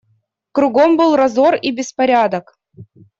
Кругом был разор и беспорядок.